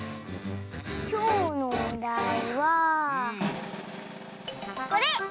きょうのおだいはこれ！